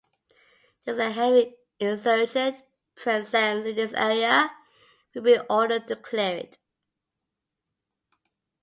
There's a heavy insurgent presence in this area, we've been ordered to clear it.